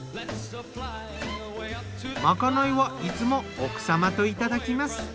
まかないはいつも奥様といただきます。